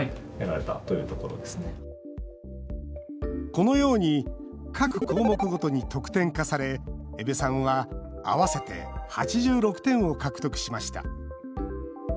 このように各項目ごとに得点化され江部さんは合わせて８６点を獲得しました。